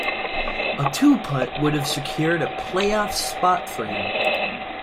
A two-putt would have secured a playoff spot for him.